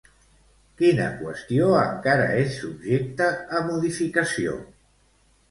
Quina qüestió encara és subjecte a modificació?